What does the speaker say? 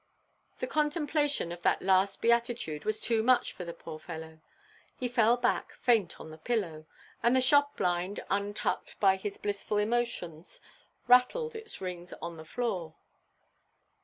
The contemplation of that last beatitude was too much for the poor fellow; he fell back, faint on the pillow, and the shop–blind, untucked by his blissful emotions, rattled its rings on the floor.